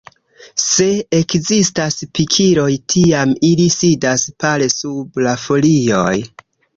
Se ekzistas pikiloj tiam ili sidas pare sub la folioj.